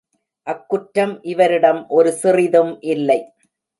அக் குற்றம் இவரிடம் ஒரு சிறிதும் இல்லை.